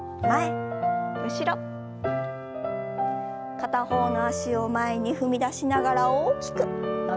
片方の脚を前に踏み出しながら大きく伸びをしましょう。